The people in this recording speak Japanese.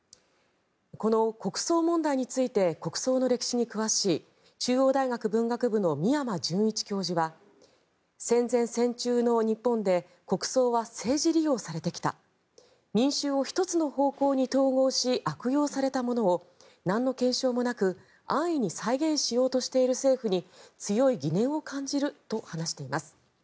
この国葬問題について国葬の歴史に詳しい中央大学文学部の宮間純一教授は戦前・戦中の日本で国葬は政治利用されてきた民衆を１つの方向に統合し悪用されたものをなんの検証もなく安易に再現しようとしている政府に強い疑念を感じると話しています。